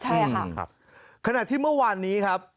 ใช่ค่ะขณะที่เมื่อวานนี้ครับ